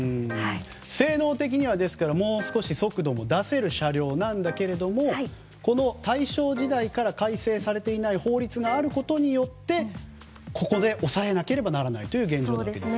性能的にはもう少し速度も出せる車両ですけど、大正時代から改正されていない法律があることによってここで抑えなければいけないという現状なわけですね。